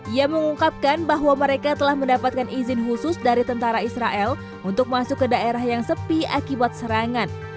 ia mengungkapkan bahwa mereka telah mendapatkan izin khusus dari tentara israel untuk masuk ke daerah yang sepi akibat serangan